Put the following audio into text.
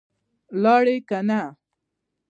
لاړې که نه؟